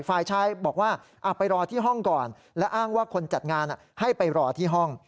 ฝ่ายชายบอกว่าไปรอที่ห้องก่อนและอ้างว่าคนจัดงานให้ไปรอที่ห้อง